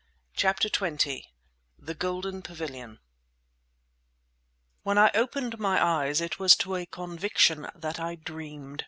CHAPTER XX THE GOLDEN PAVILION When I opened my eyes it was to a conviction that I dreamed.